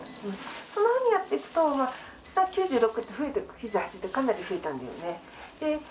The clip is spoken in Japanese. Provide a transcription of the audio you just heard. そういうふうにやっていくと、９６って、９８って、かなり増えたんだよね。